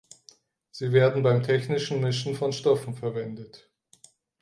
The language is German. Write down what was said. Sie werden beim technischen Mischen von Stoffen verwendet.